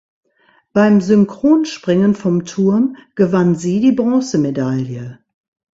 Beim Synchronspringen vom Turm gewann sie die Bronzemedaille.